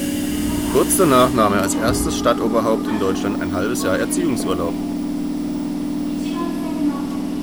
Kurz danach nahm er als erstes Stadtoberhaupt in Deutschland ein halbes Jahr Erziehungsurlaub.